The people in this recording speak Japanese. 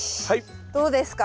どうですか？